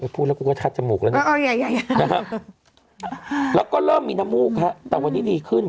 พูดแล้วกูก็ชัดจมูกแล้วนะแล้วก็เริ่มมีน้ำมูกฮะแต่วันนี้ดีขึ้น